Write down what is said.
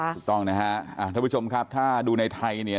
ถูกต้องนะคะถ้าดูในไทยเนี่ย